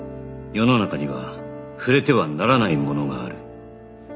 世の中には触れてはならないものがある